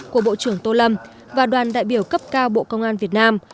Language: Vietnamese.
của bộ trưởng tô lâm và đoàn đại biểu cấp cao bộ công an việt nam